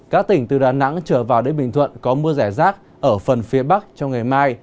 các tỉnh từ đà nẵng trở vào đến bình thuận có mưa rải rác ở phần phía bắc trong ngày mai